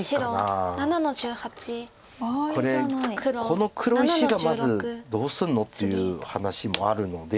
「この黒石がまずどうするの？」っていう話もあるので。